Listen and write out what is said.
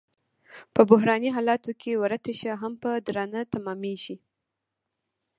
په بحراني حالاتو کې وړه تشه هم په درانه تمامېږي.